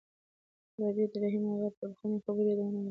رابعې د رحیم اغا د پخوانیو خبرو یادونه وکړه.